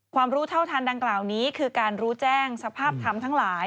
รู้เท่าทันดังกล่าวนี้คือการรู้แจ้งสภาพธรรมทั้งหลาย